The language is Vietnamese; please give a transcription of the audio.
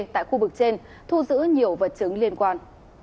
tại khu vực trên thu giữ nhiều vật chứng liên quan